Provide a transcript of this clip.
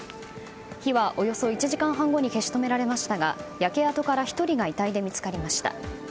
火はおよそ１時間半後に消し止められましたが焼け跡から１人が遺体で見つかりました。